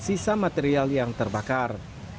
sisa material yang terbakar